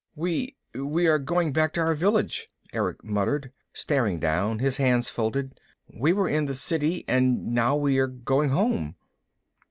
"We we are going back to our village," Erick muttered, staring down, his hands folded. "We were in the City, and now we are going home."